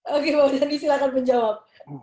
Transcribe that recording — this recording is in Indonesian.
oke pak muldoko silakan menjawab